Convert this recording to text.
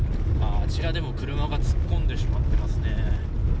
あちらでも車が突っ込んでしまってますね。